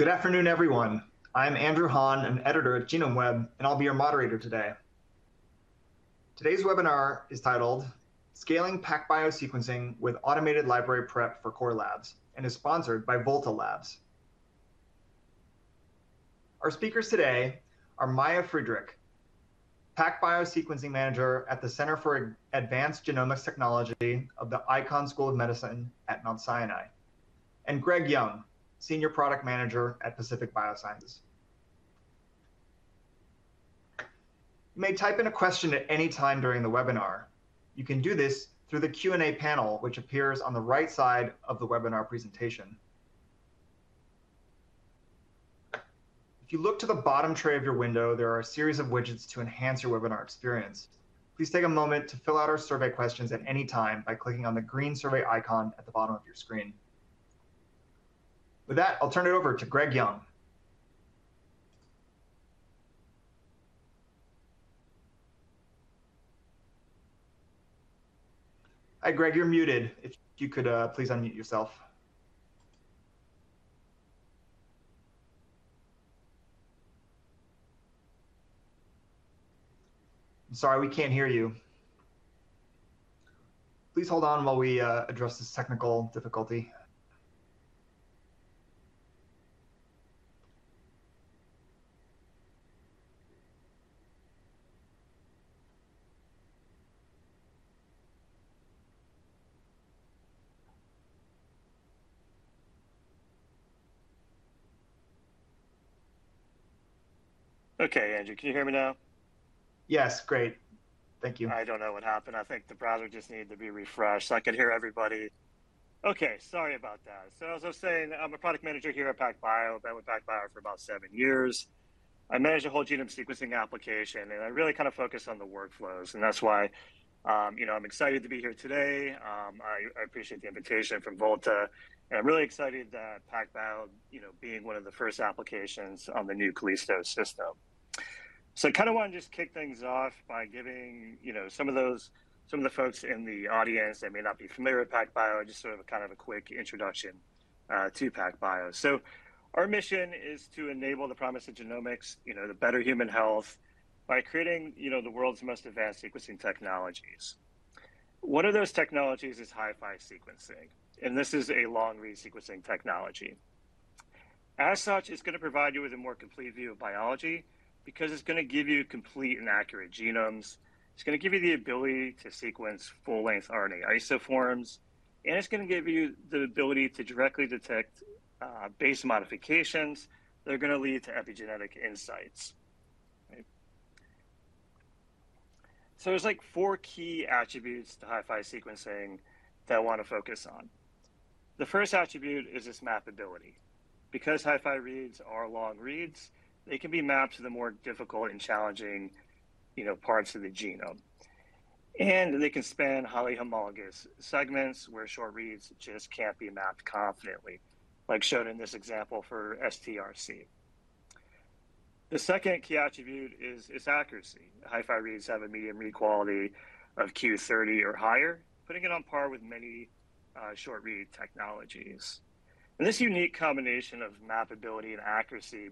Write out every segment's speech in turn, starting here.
Good afternoon, everyone. I'm Andrew Han, an editor at GenomeWeb, and I'll be your moderator today. Today's webinar is titled, "Scaling PacBio Sequencing with Automated Library Prep for Core Labs," and is sponsored by Volta Labs. Our speakers today are Maya Fridrikh, PacBio Sequencing Manager at the Center for Advanced Genomics Technology of the Icahn School of Medicine at Mount Sinai, and Greg Young, Senior Product Manager at Pacific Biosciences. You may type in a question at any time during the webinar. You can do this through the Q&A panel, which appears on the right side of the webinar presentation. If you look to the bottom tray of your window, there are a series of widgets to enhance your webinar experience. Please take a moment to fill out our survey questions at any time by clicking on the green survey icon at the bottom of your screen. With that, I'll turn it over to Greg Young. Hi, Greg, you're muted. If you could, please unmute yourself. I'm sorry, we can't hear you. Please hold on while we address this technical difficulty. Okay, Andrew, can you hear me now? Yes. Great. Thank you. I don't know what happened. I think the browser just needed to be refreshed. I could hear everybody. Okay, sorry about that. So as I was saying, I'm a product manager here at PacBio. I've been with PacBio for about seven years. I manage a whole genome sequencing application, and I really kinda focus on the workflows, and that's why, you know, I'm excited to be here today. I appreciate the invitation from Volta, and I'm really excited that PacBio, you know, being one of the first applications on the new Callisto system. So I kinda wanna just kick things off by giving, you know, some of the folks in the audience that may not be familiar with PacBio, just sort of a, kind of a quick introduction to PacBio. So our mission is to enable the promise of genomics, you know, to better human health by creating, you know, the world's most advanced sequencing technologies. One of those technologies is HiFi sequencing, and this is a long read sequencing technology. As such, it's gonna provide you with a more complete view of biology because it's gonna give you complete and accurate genomes. It's gonna give you the ability to sequence full-length RNA isoforms, and it's gonna give you the ability to directly detect base modifications that are gonna lead to epigenetic insights. Right? So there's, like, four key attributes to HiFi sequencing that I wanna focus on. The first attribute is its mapability. Because Hi-Fi reads are long reads, they can be mapped to the more difficult and challenging, you know, parts of the genome, and they can span highly homologous segments, where short reads just can't be mapped confidently, like shown in this example for STRC. The second key attribute is its accuracy. Hi-Fi reads have a medium read quality of Q30 or higher, putting it on par with many short read technologies. And this unique combination of mapability and accuracy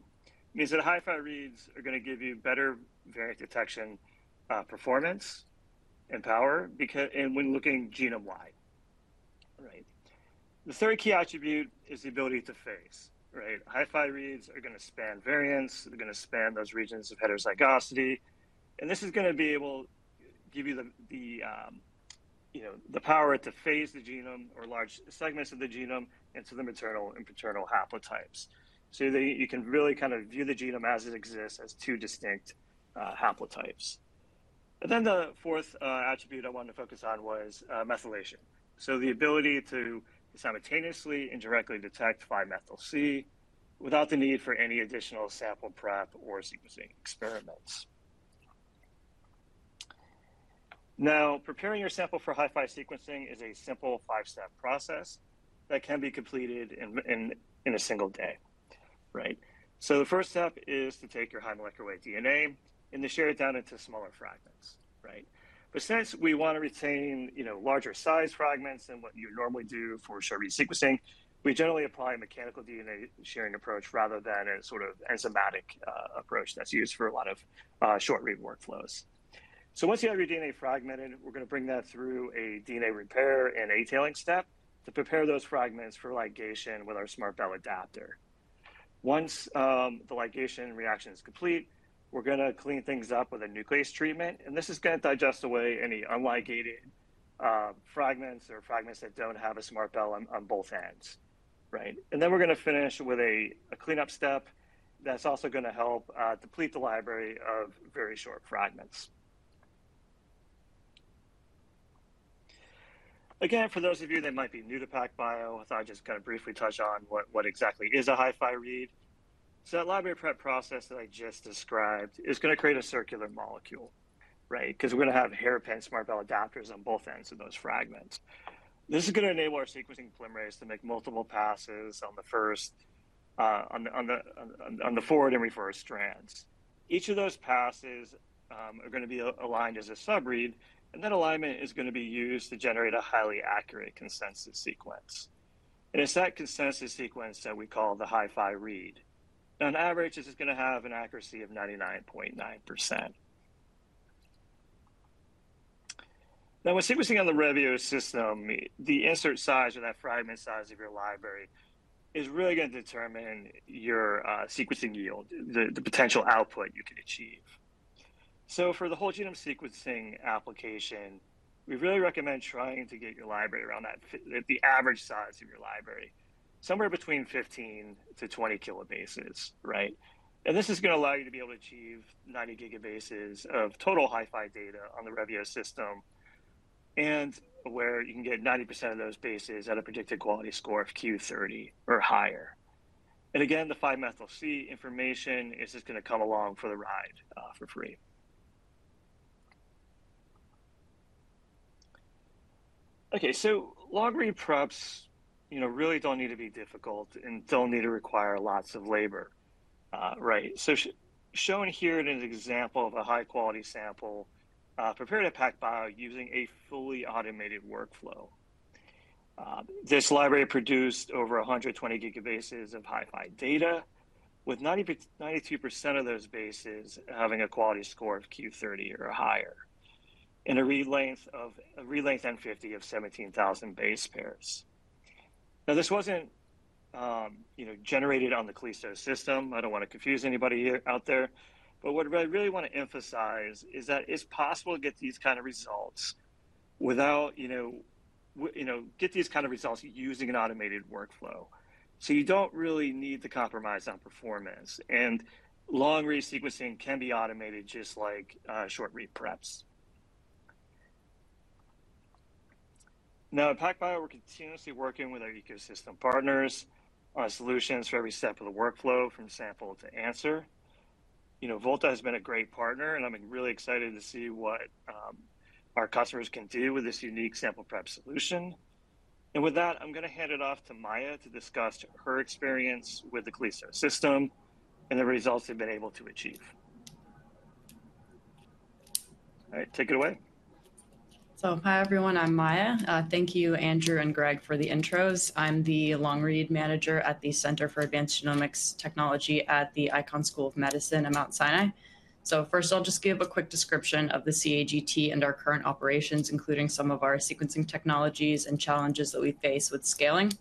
means that Hi-Fi reads are gonna give you better variant detection performance and power, because and when looking genome-wide. All right. The third key attribute is the ability to phase, right? Hi-Fi reads are gonna span variants, they're gonna span those regions of heterozygosity, and this is gonna be able... give you the power to phase the genome or large segments of the genome into the maternal and paternal haplotypes. So you can really kind of view the genome as it exists as two distinct haplotypes. And then the fourth attribute I wanted to focus on was methylation. So the ability to simultaneously and directly detect 5-methylcytosine without the need for any additional sample prep or sequencing experiments. Now, preparing your sample for Hi-Fi sequencing is a simple five-step process that can be completed in a single day, right? So the first step is to take your high molecular weight DNA and to shear it down into smaller fragments, right? But since we want to retain, you know, larger size fragments than what you would normally do for short read sequencing, we generally apply a mechanical DNA shearing approach rather than a sort of enzymatic approach that's used for a lot of short read workflows. So once you have your DNA fragmented, we're gonna bring that through a DNA repair and A-tailing step to prepare those fragments for ligation with our SMRTbell adapter. Once the ligation reaction is complete, we're gonna clean things up with a nuclease treatment, and this is gonna digest away any unligated fragments or fragments that don't have a SMRTbell on both ends, right? And then we're gonna finish with a cleanup step that's also gonna help deplete the library of very short fragments. Again, for those of you that might be new to PacBio, I thought I'd just kinda briefly touch on what exactly is a Hi-Fi read. So that library prep process that I just described is gonna create a circular molecule, right? Because we're gonna have hairpin SMRTbell adapters on both ends of those fragments. This is gonna enable our sequencing polymerase to make multiple passes on the first, on the forward and reverse strands. Each of those passes are going to be aligned as a sub-read, and that alignment is going to be used to generate a highly accurate consensus sequence. And it's that consensus sequence that we call the Hi-Fi read. On average, this is going to have an accuracy of 99.9%. Now, when sequencing on the Revio system, the insert size or that fragment size of your library is really going to determine your sequencing yield, the potential output you can achieve. So for the whole genome sequencing application, we really recommend trying to get your library around that, the average size of your library, somewhere between 15 to 20 kilobases, right? And this is going to allow you to be able to achieve 90 gigabases of total Hi-Fi data on the Revio system, and where you can get 90% of those bases at a predicted quality score of Q30 or higher. And again, the 5mC information is just going to come along for the ride, for free. Okay, so long-read preps, you know, really don't need to be difficult and don't need to require lots of labor. Right. Shown here in an example of a high-quality sample prepared at PacBio using a fully automated workflow. This library produced over 120 gigabases of Hi-Fi data, with 92% of those bases having a quality score of Q30 or higher, and a read length N50 of 17,000 base pairs. Now, this wasn't, you know, generated on the Callisto system. I don't want to confuse anybody here out there, but what I really want to emphasize is that it's possible to get these kind of results without, you know, you know, get these kind of results using an automated workflow. You don't really need to compromise on performance, and long-read sequencing can be automated, just like short-read preps. Now, at PacBio, we're continuously working with our ecosystem partners on solutions for every step of the workflow, from sample to answer. You know, Volta has been a great partner, and I'm really excited to see what, our customers can do with this unique sample prep solution. And with that, I'm going to hand it off to Maya to discuss her experience with the Callisto system and the results they've been able to achieve. All right, take it away. Hi, everyone, I'm Maya. Thank you, Andrew and Greg, for the intros. I'm the Long Read Manager at the Center for Advanced Genomics Technology at the Icahn School of Medicine at Mount Sinai. First, I'll just give a quick description of the CAGT and our current operations, including some of our sequencing technologies and challenges that we face with scaling.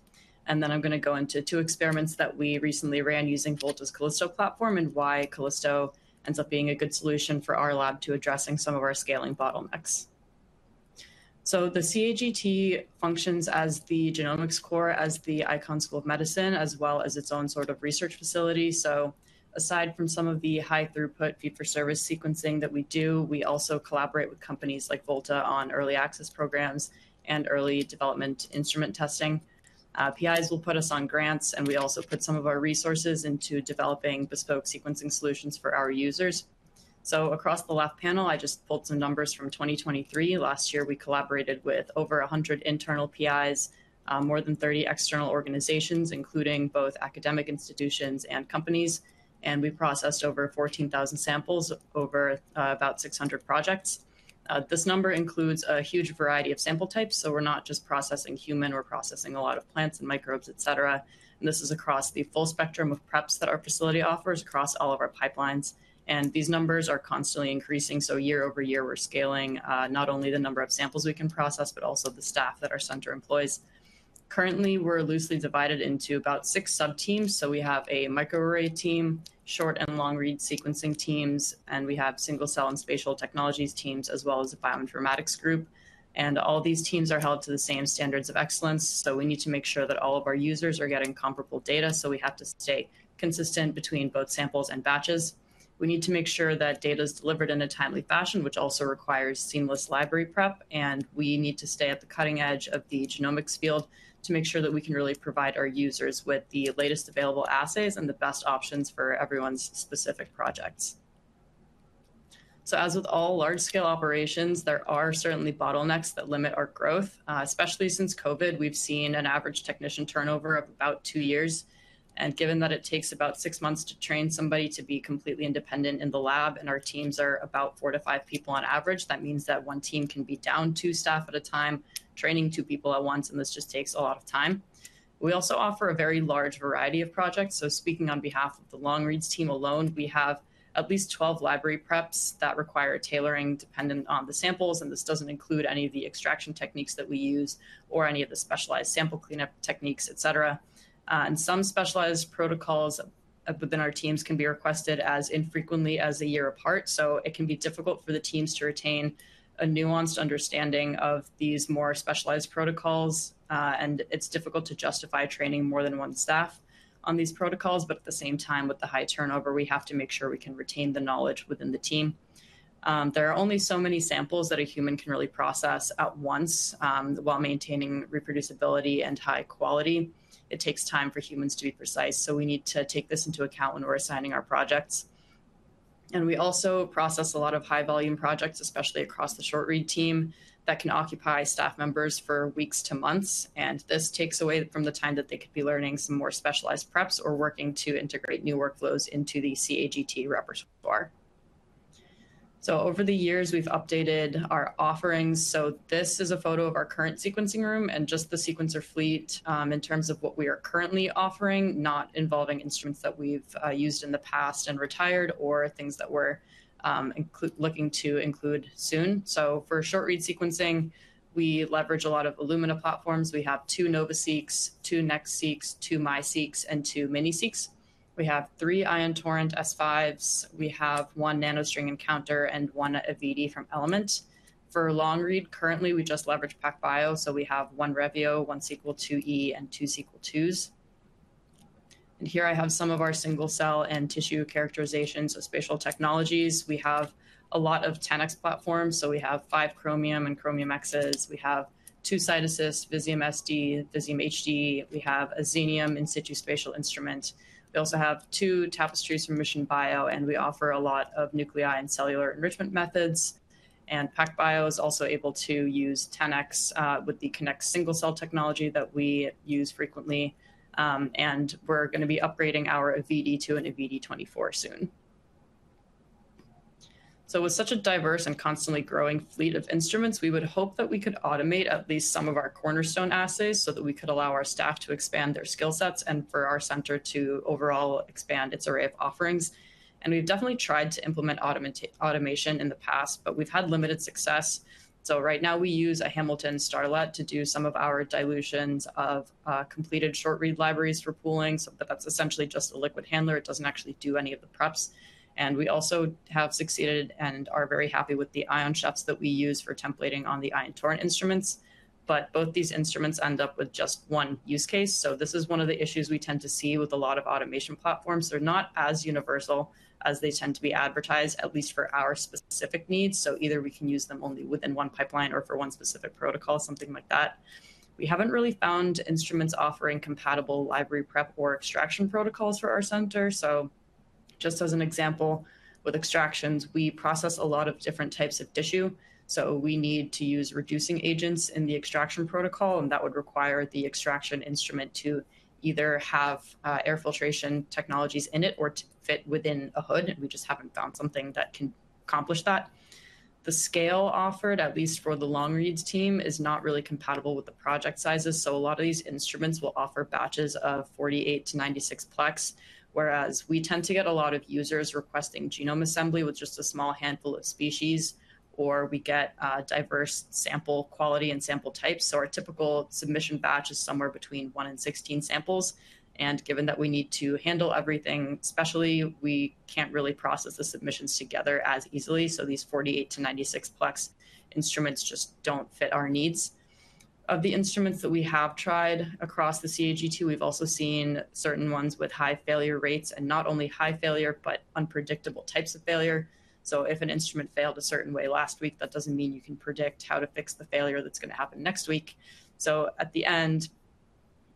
Then I'm going to go into two experiments that we recently ran using Volta's Callisto platform and why Callisto ends up being a good solution for our lab to addressing some of our scaling bottlenecks. The CAGT functions as the genomics core, as the Icahn School of Medicine, as well as its own sort of research facility. Aside from some of the high-throughput, fee-for-service sequencing that we do, we also collaborate with companies like Volta on early access programs and early development instrument testing. PIs will put us on grants, and we also put some of our resources into developing bespoke sequencing solutions for our users, so across the left panel, I just pulled some numbers from 2023. Last year, we collaborated with over 100 internal PIs, more than 30 external organizations, including both academic institutions and companies, and we processed over 14,000 samples over about 600 projects. This number includes a huge variety of sample types, so we're not just processing human, we're processing a lot of plants and microbes, et cetera, and this is across the full spectrum of preps that our facility offers across all of our pipelines, and these numbers are constantly increasing, so year-over-year, we're scaling, not only the number of samples we can process, but also the staff that our center employs. Currently, we're loosely divided into about six subteams, so we have a microarray team, short- and long-read sequencing teams, and we have single-cell and spatial technologies teams, as well as a bioinformatics group, and all these teams are held to the same standards of excellence, so we need to make sure that all of our users are getting comparable data, so we have to stay consistent between both samples and batches. We need to make sure that data is delivered in a timely fashion, which also requires seamless library prep, and we need to stay at the cutting edge of the genomics field to make sure that we can really provide our users with the latest available assays and the best options for everyone's specific projects, so as with all large-scale operations, there are certainly bottlenecks that limit our growth. Especially since COVID, we've seen an average technician turnover of about two years, and given that it takes about six months to train somebody to be completely independent in the lab, and our teams are about four to five people on average, that means that one team can be down two staff at a time, training two people at once, and this just takes a lot of time. We also offer a very large variety of projects, so speaking on behalf of the Long Reads team alone, we have at least 12 library preps that require tailoring dependent on the samples, and this doesn't include any of the extraction techniques that we use or any of the specialized sample cleanup techniques, et cetera. And some specialized protocols within our teams can be requested as infrequently as a year apart, so it can be difficult for the teams to retain a nuanced understanding of these more specialized protocols. And it's difficult to justify training more than one staff on these protocols, but at the same time, with the high turnover, we have to make sure we can retain the knowledge within the team. There are only so many samples that a human can really process at once, while maintaining reproducibility and high quality. It takes time for humans to be precise, so we need to take this into account when we're assigning our projects. And we also process a lot of high-volume projects, especially across the short-read team, that can occupy staff members for weeks to months, and this takes away from the time that they could be learning some more specialized preps or working to integrate new workflows into the CAGT repertoire. So over the years, we've updated our offerings. So this is a photo of our current sequencing room and just the sequencer fleet, in terms of what we are currently offering, not involving instruments that we've used in the past and retired, or things that we're looking to include soon. So for short-read sequencing, we leverage a lot of Illumina platforms. We have two NovaSeqs, two NextSeqs, two MiSeq, and two MiniSeqs. We have three Ion GeneStudio S5s. We have one NanoString nCounter and one AVITI from Element Biosciences. For long-read, currently, we just leverage PacBio, so we have one Revio, one Sequel IIe, and two Sequel IIs, and here I have some of our single-cell and tissue characterization, so spatial technologies. We have a lot of 10x platforms, so we have five Chromium and Chromium Xes. We have two CytAssist, Visium Spatial, Visium HD. We have a Xenium In Situ spatial instrument. We also have two Tapestries from Mission Bio, and we offer a lot of nuclei and cellular enrichment methods, and PacBio is also able to use 10x with the Kinnex single-cell technology that we use frequently, and we're going to be upgrading our AVITI to an AVITI24 soon. With such a diverse and constantly growing fleet of instruments, we would hope that we could automate at least some of our cornerstone assays so that we could allow our staff to expand their skill sets and for our center to overall expand its array of offerings. And we've definitely tried to implement automation in the past, but we've had limited success. So right now, we use a Hamilton STARlet to do some of our dilutions of completed short-read libraries for pooling. So that's essentially just a liquid handler. It doesn't actually do any of the preps. And we also have succeeded and are very happy with the Ion Chefs that we use for templating on the Ion Torrent instruments. But both these instruments end up with just one use case, so this is one of the issues we tend to see with a lot of automation platforms. They're not as universal as they tend to be advertised, at least for our specific needs. So either we can use them only within one pipeline or for one specific protocol, something like that. We haven't really found instruments offering compatible library prep or extraction protocols for our center. So just as an example, with extractions, we process a lot of different types of tissue, so we need to use reducing agents in the extraction protocol, and that would require the extraction instrument to either have air filtration technologies in it or to fit within a hood, and we just haven't found something that can accomplish that. The scale offered, at least for the long-reads team, is not really compatible with the project sizes, so a lot of these instruments will offer batches of 48- to 96-plex, whereas we tend to get a lot of users requesting genome assembly with just a small handful of species, or we get diverse sample quality and sample types. So our typical submission batch is somewhere between one and 16 samples, and given that we need to handle everything, especially, we can't really process the submissions together as easily. So these 48- to 96-plex instruments just don't fit our needs. Of the instruments that we have tried across the CAGT, we've also seen certain ones with high failure rates, and not only high failure, but unpredictable types of failure. If an instrument failed a certain way last week, that doesn't mean you can predict how to fix the failure that's going to happen next week. At the end,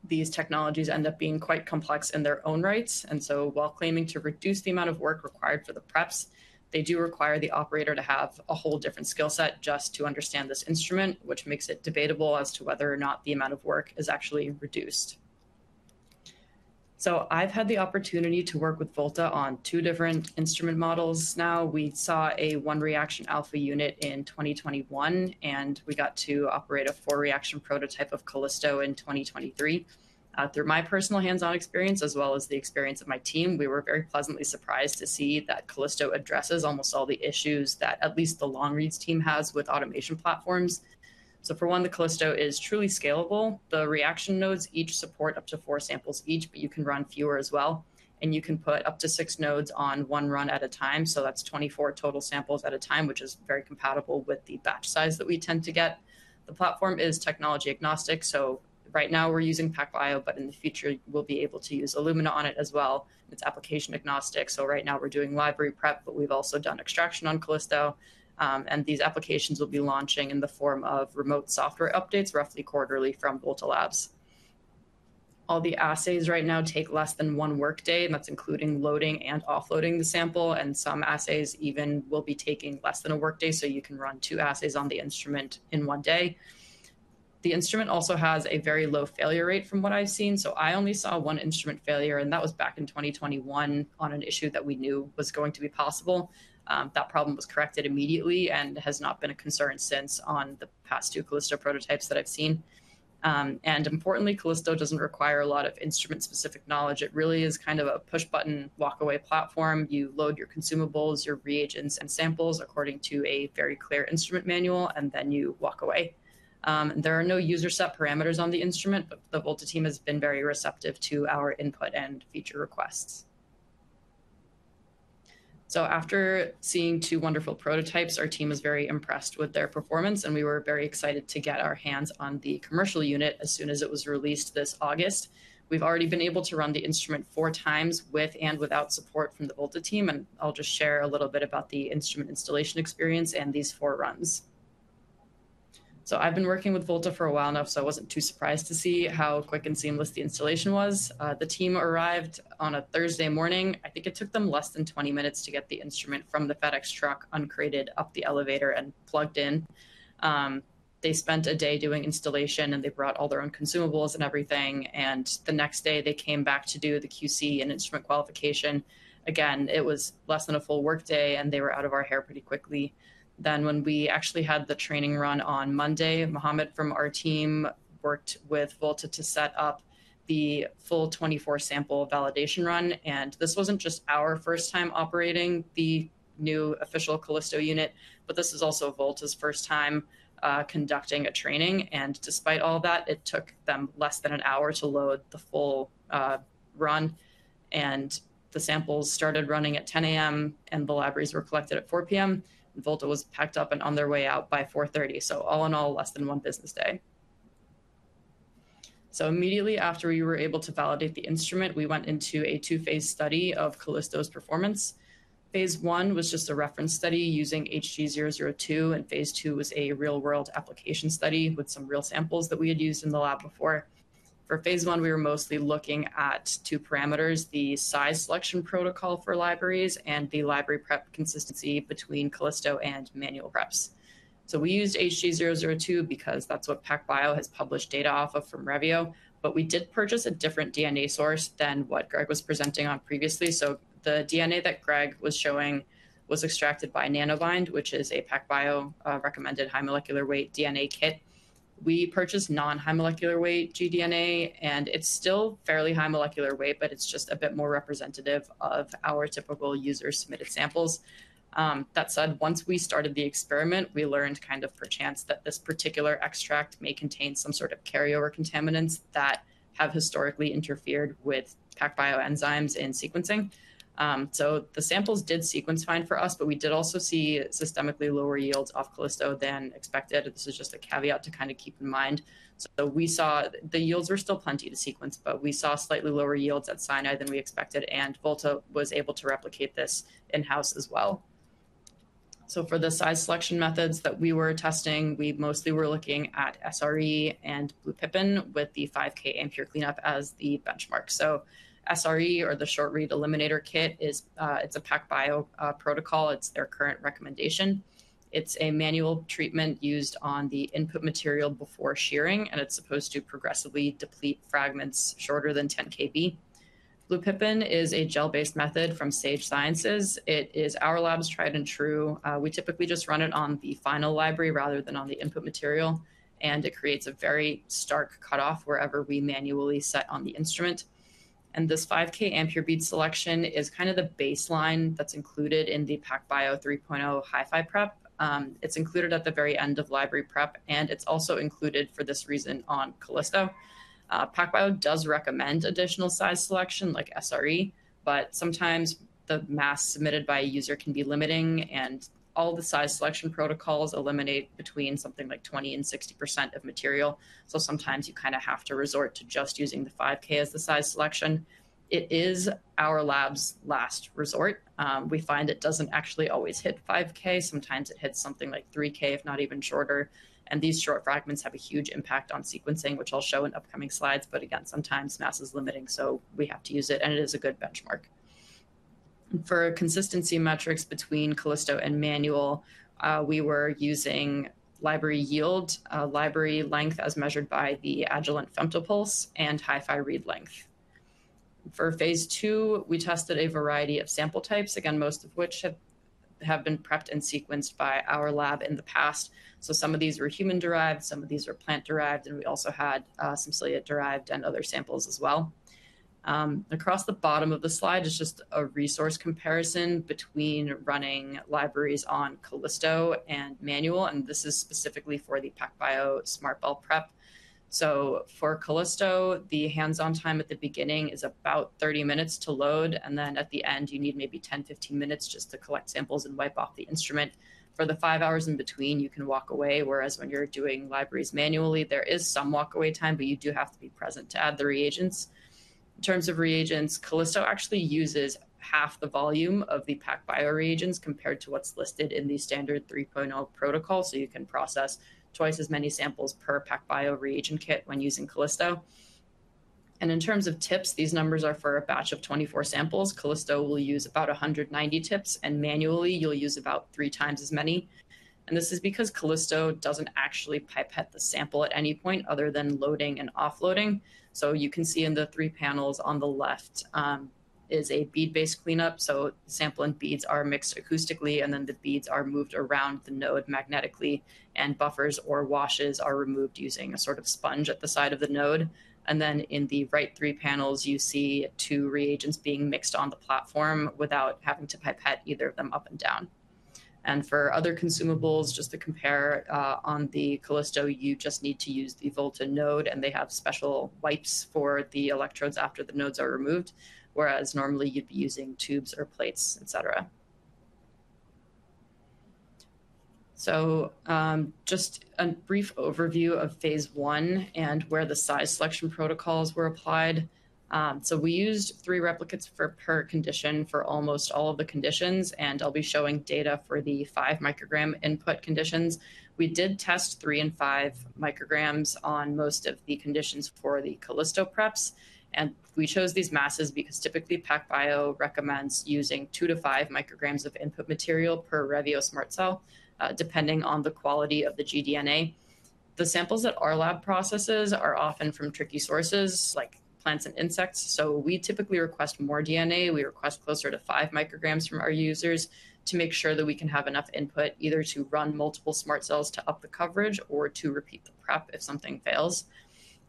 these technologies end up being quite complex in their own rights, and while claiming to reduce the amount of work required for the preps, they do require the operator to have a whole different skill set just to understand this instrument, which makes it debatable as to whether or not the amount of work is actually reduced. I've had the opportunity to work with Volta on two different instrument models. Now, we saw a one-reaction Alpha unit in 2021, and we got to operate a four-reaction prototype of Callisto in 2023. Through my personal hands-on experience, as well as the experience of my team, we were very pleasantly surprised to see that Callisto addresses almost all the issues that at least the long-reads team has with automation platforms. So for one, the Callisto is truly scalable. The reaction nodes each support up to four samples each, but you can run fewer as well, and you can put up to six nodes on one run at a time. So that's twenty-four total samples at a time, which is very compatible with the batch size that we tend to get. The platform is technology-agnostic, so right now we're using PacBio, but in the future, we'll be able to use Illumina on it as well. It's application-agnostic, so right now we're doing library prep, but we've also done extraction on Callisto. And these applications will be launching in the form of remote software updates, roughly quarterly from Volta Labs. All the assays right now take less than one workday, and that's including loading and offloading the sample, and some assays even will be taking less than a workday, so you can run two assays on the instrument in one day. The instrument also has a very low failure rate from what I've seen. I only saw one instrument failure, and that was back in twenty twenty-one on an issue that we knew was going to be possible. That problem was corrected immediately and has not been a concern since on the past two Callisto prototypes that I've seen. And importantly, Callisto doesn't require a lot of instrument-specific knowledge. It really is kind of a push-button, walk-away platform. You load your consumables, your reagents, and samples according to a very clear instrument manual, and then you walk away. There are no user set parameters on the instrument, but the Volta team has been very receptive to our input and feature requests, so after seeing two wonderful prototypes, our team was very impressed with their performance, and we were very excited to get our hands on the commercial unit as soon as it was released this August. We've already been able to run the instrument four times with and without support from the Volta team, and I'll just share a little bit about the instrument installation experience and these four runs, so I've been working with Volta for a while now, so I wasn't too surprised to see how quick and seamless the installation was. The team arrived on a Thursday morning. I think it took them less than 20 minutes to get the instrument from the FedEx truck, uncrated, up the elevator, and plugged in. They spent a day doing installation, and they brought all their own consumables and everything, and the next day, they came back to do the QC and instrument qualification. Again, it was less than a full workday, and they were out of our hair pretty quickly. Then, when we actually had the training run on Monday, Muhammad from our team worked with Volta to set up the full 24 sample validation run, and this wasn't just our first time operating the new official Callisto unit, but this is also Volta's first time conducting a training. Despite all that, it took them less than an hour to load the full run, and the samples started running at 10 A.M., and the libraries were collected at 4 P.M. Volta was packed up and on their way out by 4:30 P.M. All in all, less than one business day. Immediately after we were able to validate the instrument, we went into a two-phase study of Callisto's performance. Phase one was just a reference study using HG002, and phase two was a real-world application study with some real samples that we had used in the lab before. For phase one, we were mostly looking at two parameters, the size selection protocol for libraries and the library prep consistency between Callisto and manual preps. So we used HG002 because that's what PacBio has published data off of from Revio, but we did purchase a different DNA source than what Greg was presenting on previously. So the DNA that Greg was showing was extracted by Nanobind, which is a PacBio recommended high molecular weight DNA kit. We purchased non-high molecular weight gDNA, and it's still fairly high molecular weight, but it's just a bit more representative of our typical user-submitted samples. That said, once we started the experiment, we learned kind of per chance that this particular extract may contain some sort of carryover contaminants that have historically interfered with PacBio enzymes in sequencing. So the samples did sequence fine for us, but we did also see systemically lower yields off Callisto than expected. This is just a caveat to kind of keep in mind. So we saw the yields were still plenty to sequence, but we saw slightly lower yields at Sinai than we expected, and Volta was able to replicate this in-house as well. So for the size selection methods that we were testing, we mostly were looking at SRE and BluePippin with the 5K AMpure cleanup as the benchmark. So SRE, or the Short Read Eliminator kit, is, it's a PacBio protocol. It's their current recommendation. It's a manual treatment used on the input material before shearing, and it's supposed to progressively deplete fragments shorter than 10 KB. BluePippin is a gel-based method from Sage Science. It is our lab's tried and true. We typically just run it on the final library rather than on the input material, and it creates a very stark cutoff wherever we manually set on the instrument. This 5K AMpure bead selection is kind of the baseline that's included in the PacBio 3.0 Hi-Fi prep. It's included at the very end of library prep, and it's also included for this reason on Callisto. PacBio does recommend additional size selection like SRE, but sometimes the mass submitted by a user can be limiting, and all the size selection protocols eliminate between something like 20%-60% of material. So sometimes you kind of have to resort to just using the 5K as the size selection. It is our lab's last resort. We find it doesn't actually always hit 5K. Sometimes it hits something like 3K, if not even shorter, and these short fragments have a huge impact on sequencing, which I'll show in upcoming slides. But again, sometimes mass is limiting, so we have to use it, and it is a good benchmark. For consistency metrics between Callisto and manual, we were using library yield, library length as measured by the Agilent Femto Pulse, and Hi-Fi read length. For phase two, we tested a variety of sample types, again, most of which have been prepped and sequenced by our lab in the past. So some of these were human-derived, some of these were plant-derived, and we also had some cilia-derived and other samples as well. Across the bottom of the slide is just a resource comparison between running libraries on Callisto and manual, and this is specifically for the PacBio SMRTbell prep. For Callisto, the hands-on time at the beginning is about 30 minutes to load, and then at the end, you need maybe 10, 15 minutes just to collect samples and wipe off the instrument. For the five hours in between, you can walk away, whereas when you're doing libraries manually, there is some walkaway time, but you do have to be present to add the reagents. In terms of reagents, Callisto actually uses half the volume of the PacBio reagents compared to what's listed in the standard 3.0 protocol, so you can process twice as many samples per PacBio reagent kit when using Callisto. In terms of tips, these numbers are for a batch of 24 samples. Callisto will use about 190 tips, and manually, you'll use about three times as many. This is because Callisto doesn't actually pipette the sample at any point other than loading and offloading. You can see in the three panels on the left is a bead-based cleanup, so sample and beads are mixed acoustically, and then the beads are moved around the node magnetically, and buffers or washes are removed using a sort of sponge at the side of the node. Then in the right three panels, you see two reagents being mixed on the platform without having to pipette either of them up and down. For other consumables, just to compare, on the Callisto, you just need to use the Volta node, and they have special wipes for the electrodes after the nodes are removed, whereas normally you'd be using tubes or plates, et cetera. Just a brief overview of phase one and where the size selection protocols were applied. We used three replicates per condition for almost all of the conditions, and I'll be showing data for the five microgram input conditions. We did test three and five micrograms on most of the conditions for the Callisto preps, and we chose these masses because typically, PacBio recommends using two to five micrograms of input material per Revio SMRT Cell, depending on the quality of the gDNA. The samples at our lab processes are often from tricky sources, like plants and insects, so we typically request more DNA. We request closer to five micrograms from our users to make sure that we can have enough input, either to run multiple SMRT cells to up the coverage or to repeat the prep if something fails.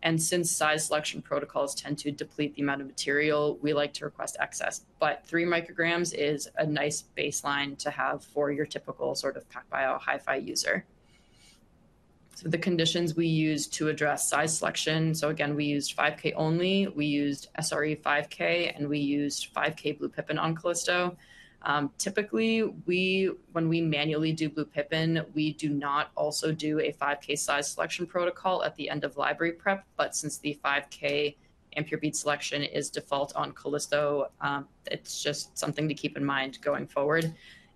And since size selection protocols tend to deplete the amount of material, we like to request excess, but three micrograms is a nice baseline to have for your typical sort of PacBio Hi-Fi user. So the conditions we use to address size selection, so again, we used five K only. We used SRE five K, and we used five K BluePippin on Callisto. Typically, we, when we manually do BluePippin, we do not also do a five K size selection protocol at the end of library prep, but since the five K AMpure bead selection is default on Callisto, it's just something to keep in mind going forward.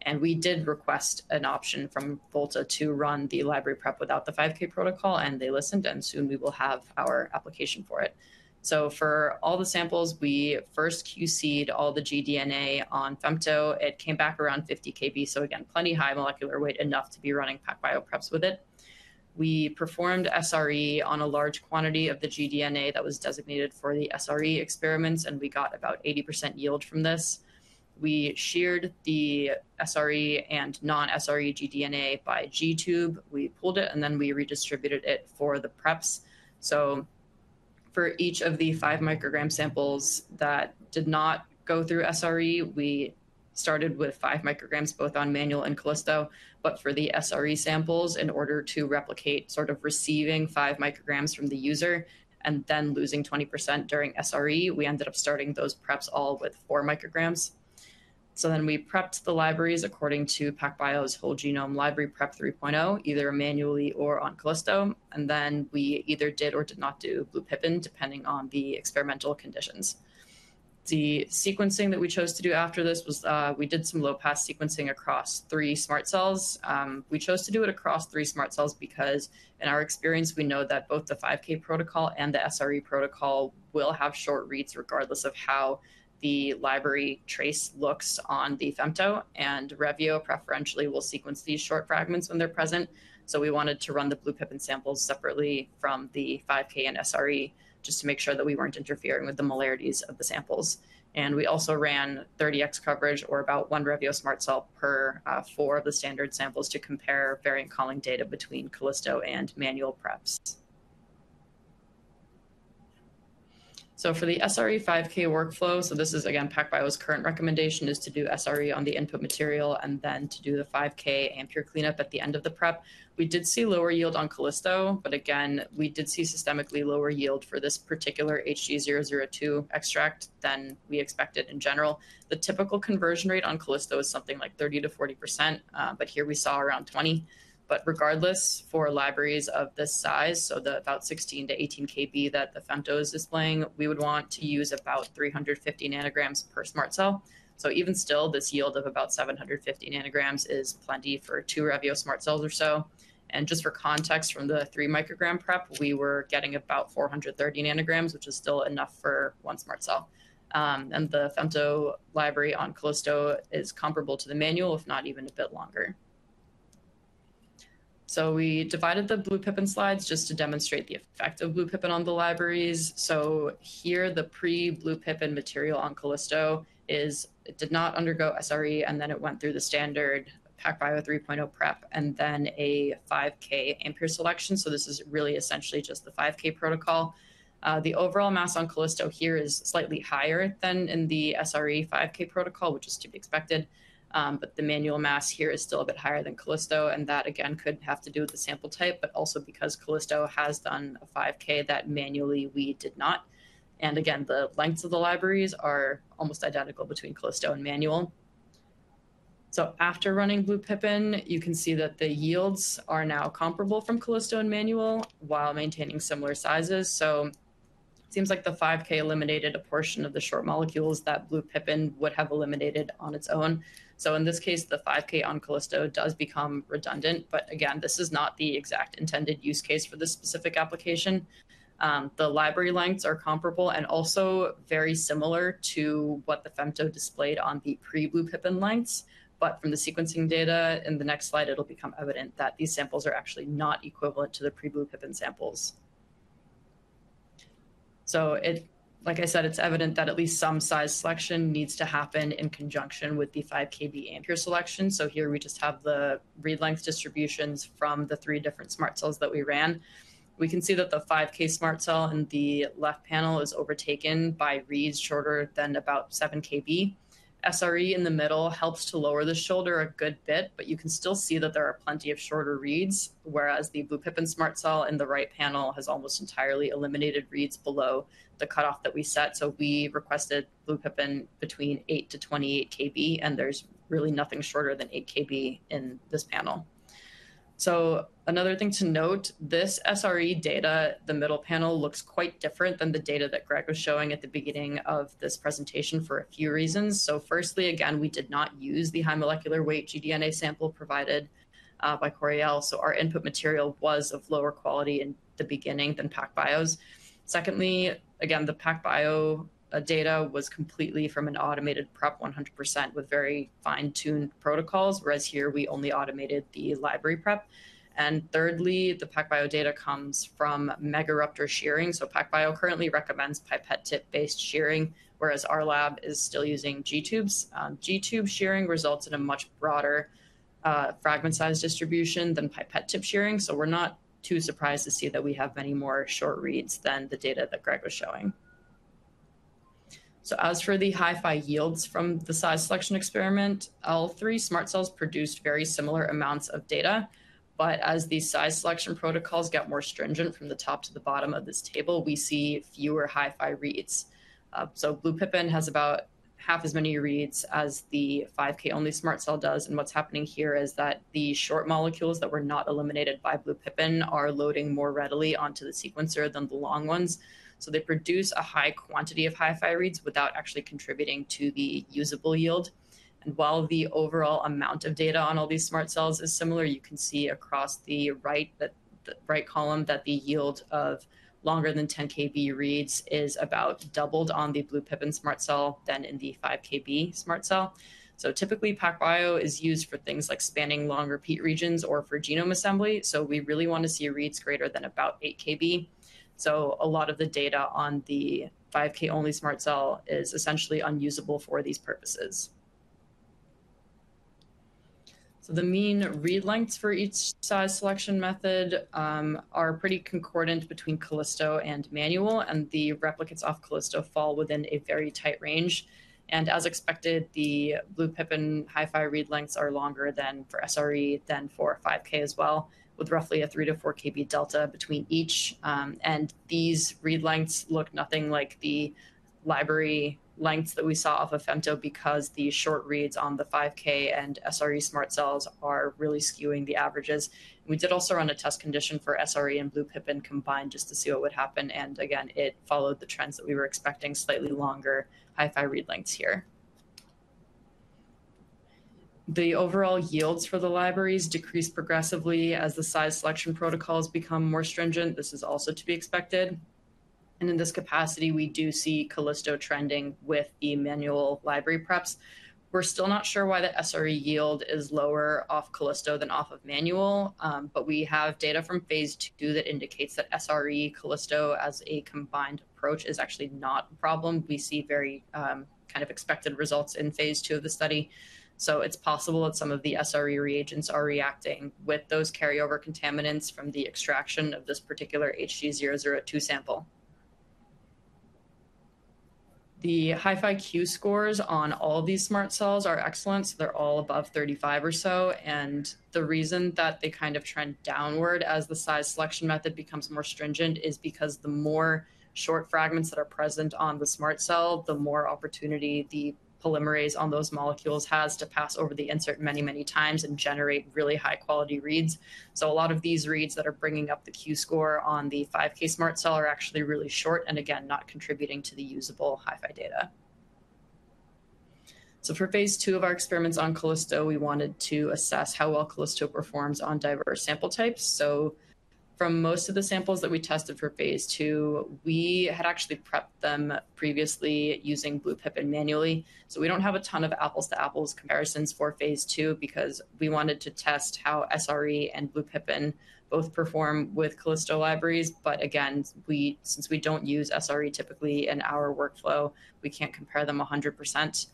And we did request an option from Volta to run the library prep without the five K protocol, and they listened, and soon we will have our application for it. For all the samples, we first QC'd all the gDNA on Femto. It came back around 50 KB, so again, plenty high molecular weight, enough to be running PacBio preps with it. We performed SRE on a large quantity of the gDNA that was designated for the SRE experiments, and we got about 80% yield from this. We sheared the SRE and non-SRE gDNA by g-TUBE. We pulled it, and then we redistributed it for the preps. So for each of the five microgram samples that did not go through SRE, we started with five micrograms, both on manual and Callisto. For the SRE samples, in order to replicate, sort of receiving five micrograms from the user and then losing 20% during SRE, we ended up starting those preps all with four micrograms. We prepped the libraries according to PacBio's whole genome library prep 3.0, either manually or on Callisto, and then we either did or did not do BluePippin, depending on the experimental conditions. The sequencing that we chose to do after this was, we did some low-pass sequencing across three SMRT cells. We chose to do it across three SMRT cells because in our experience, we know that both the 5K protocol and the SRE protocol will have short reads, regardless of how the library trace looks on the Femto, and Revio preferentially will sequence these short fragments when they're present. So we wanted to run the BluePippin samples separately from the 5K and SRE just to make sure that we weren't interfering with the molarities of the samples. And we also ran 30x coverage or about one Revio SMRT Cell per four of the standard samples to compare variant calling data between Callisto and manual preps. So for the SRE 5K workflow, so this is again, PacBio's current recommendation is to do SRE on the input material and then to do the 5K AMpure cleanup at the end of the prep. We did see lower yield on Callisto, but again, we did see systemically lower yield for this particular HG002 extract than we expected in general. The typical conversion rate on Callisto is something like 30%-40%, but here we saw around 20%. But regardless, for libraries of this size, so the about 16-18 KB that the Femto is displaying, we would want to use about 350 nanograms per SMRT cell. So even still, this yield of about seven hundred and fifty nanograms is plenty for two Revio SMRT Cells or so. And just for context, from the three microgram prep, we were getting about four hundred and thirty nanograms, which is still enough for one SMRT Cell. And the Femto library on Callisto is comparable to the manual, if not even a bit longer. So we divided the BluePippin slides just to demonstrate the effect of BluePippin on the libraries. So here, the pre-BluePippin material on Callisto is. It did not undergo SRE, and then it went through the standard PacBio 3.0 prep, and then a 5K AMPure selection. So this is really essentially just the 5K protocol. The overall mass on Callisto here is slightly higher than in the SRE 5K protocol, which is to be expected. But the manual mass here is still a bit higher than Callisto, and that, again, could have to do with the sample type, but also because Callisto has done a five K that manually we did not. Again, the lengths of the libraries are almost identical between Callisto and manual. After running BluePippin, you can see that the yields are now comparable from Callisto and manual while maintaining similar sizes. It seems like the five K eliminated a portion of the short molecules that BluePippin would have eliminated on its own. In this case, the five K on Callisto does become redundant, but again, this is not the exact intended use case for this specific application. The library lengths are comparable and also very similar to what the Femto displayed on the pre-BluePippin lengths. From the sequencing data in the next slide, it'll become evident that these samples are actually not equivalent to the pre-BluePippin samples. So, like I said, it's evident that at least some size selection needs to happen in conjunction with the five KB AMpure selection. So here we just have the read length distributions from the three different SMRT cells that we ran. We can see that the five K SMRT cell in the left panel is overtaken by reads shorter than about seven KB. SRE in the middle helps to lower the shoulder a good bit, but you can still see that there are plenty of shorter reads, whereas the BluePippin SMRT cell in the right panel has almost entirely eliminated reads below the cutoff that we set. So we requested BluePippin between 8 to 28 KB, and there's really nothing shorter than 8 KB in this panel... So another thing to note, this SRE data, the middle panel, looks quite different than the data that Greg was showing at the beginning of this presentation for a few reasons. So firstly, again, we did not use the high molecular weight gDNA sample provided by Coriell, so our input material was of lower quality in the beginning than PacBio's. Secondly, again, the PacBio data was completely from an automated prep 100% with very fine-tuned protocols, whereas here we only automated the library prep. And thirdly, the PacBio data comes from Megaruptor shearing. So PacBio currently recommends pipette tip-based shearing, whereas our lab is still using g-TUBEs. G-tube shearing results in a much broader fragment size distribution than pipette tip shearing. So we're not too surprised to see that we have many more short reads than the data that Greg was showing. So as for the Hi-Fi yields from the size selection experiment, all three SMRT Cells produced very similar amounts of data. But as the size selection protocols get more stringent from the top to the bottom of this table, we see fewer Hi-Fi reads. So BluePippin has about half as many reads as the five K only SMRT Cell does. And what's happening here is that the short molecules that were not eliminated by BluePippin are loading more readily onto the sequencer than the long ones, so they produce a high quantity of Hi-Fi reads without actually contributing to the usable yield. While the overall amount of data on all these SMRT cells is similar, you can see in the right column that the yield of longer than 10 KB reads is about doubled on the BluePippin SMRT cell than in the five KB SMRT cell. Typically, PacBio is used for things like spanning long repeat regions or for genome assembly, so we really want to see reads greater than about eight KB. A lot of the data on the five K only SMRT cell is essentially unusable for these purposes. The mean read lengths for each size selection method are pretty concordant between Callisto and manual, and the replicates of Callisto fall within a very tight range. As expected, the BluePippin Hi-Fi read lengths are longer than for SRE than for five K as well, with roughly a three to four KB delta between each. These read lengths look nothing like the library lengths that we saw off of Femto because the short reads on the five K and SRE SMRT cells are really skewing the averages. We did also run a test condition for SRE and BluePippin combined, just to see what would happen, and again, it followed the trends that we were expecting, slightly longer Hi-Fi read lengths here. The overall yields for the libraries decrease progressively as the size selection protocols become more stringent. This is also to be expected. In this capacity, we do see Callisto trending with the manual library preps. We're still not sure why the SRE yield is lower off Callisto than off of Manual, but we have data from phase two that indicates that SRE Callisto, as a combined approach, is actually not a problem. We see very, kind of expected results in phase two of the study. So it's possible that some of the SRE reagents are reacting with those carryover contaminants from the extraction of this particular HG002 sample. The Hi-Fi Q scores on all these SMRT cells are excellent, so they're all above 35 or so. And the reason that they kind of trend downward as the size selection method becomes more stringent is because the more short fragments that are present on the SMRT cell, the more opportunity the polymerase on those molecules has to pass over the insert many, many times and generate really high-quality reads. So a lot of these reads that are bringing up the Q score on the 5K SMRT Cell are actually really short, and again, not contributing to the usable Hi-Fi data. So for phase two of our experiments on Callisto, we wanted to assess how well Callisto performs on diverse sample types. So from most of the samples that we tested for phase two, we had actually prepped them previously using BluePippin manually. So we don't have a ton of apples to apples comparisons for phase two because we wanted to test how SRE and BluePippin both perform with Callisto libraries. But again, since we don't use SRE typically in our workflow, we can't compare them 100%.